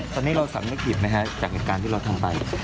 ตอนนี้เราสำนึกหยิบนะฮะจากการที่เราทำไป